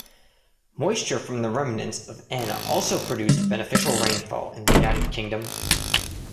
Moisture from the remnants of Ana also produced beneficial rainfall in the United Kingdom.